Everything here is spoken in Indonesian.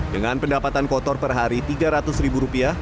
dengan pendapatan kotor per hari tiga ratus ribu rupiah